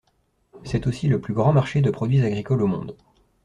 C'est aussi le plus grand marché de produits agricoles au monde.